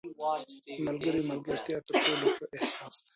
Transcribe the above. • د ملګري ملګرتیا تر ټولو ښه احساس دی.